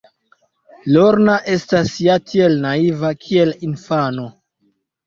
Lorna estas ja tiel naiva, kiel infano.